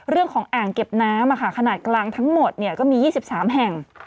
เรื่องของอ่างเก็บน้ำอะค่ะขนาดกลางทั้งหมดเนี้ยก็มียี่สิบสามแห่ง